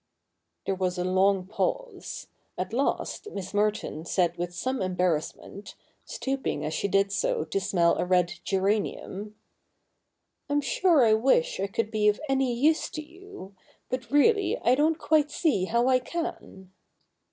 There was a long pause. At last Miss Merton said 254 THE NEW REPUBLIC [bk. v with some embarrassment, stooping as she did so to smell a red geranium, ' I'm sure I wish I could be of any use to you ; but really I don't quite see how I can.'